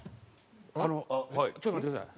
あのちょっと待ってください。